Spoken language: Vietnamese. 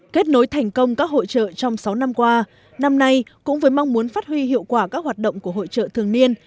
kết nối thành công các hội trợ trong sáu năm qua năm nay cũng với mong muốn phát huy hiệu quả các hoạt động của hội trợ thường niên